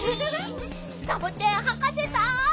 サボテンはかせさん。